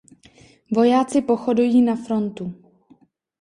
Vojáci pochodují na frontu.